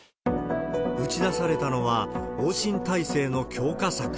打ち出されたのは、往診体制の強化策。